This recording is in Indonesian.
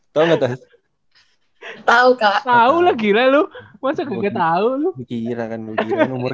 tahu nggak tahu lah gila lu masa gue nggak tahu lu